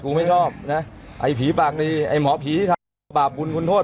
ไม่ชอบนะไอ้ผีปากดีไอ้หมอผีทำก็บาปบุญคุณโทษ